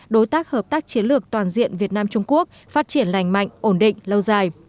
đối tác hợp tác chiến lược toàn diện việt nam trung quốc phát triển lành mạnh ổn định lâu dài